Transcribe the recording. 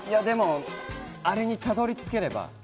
あれにたどり着ければ。